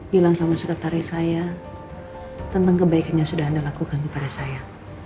bilang sama sekretaris saya tentang kebaikan yang sudah anda lakukan kepada saya